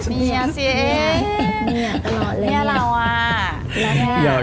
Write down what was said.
เนี่ยเสียเอง